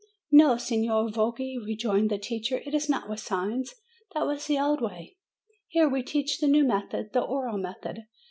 "No, Signer Voggi," rejoined the teacher, "it is not with signs. That was the old way. Here we teach the new method, the oral method.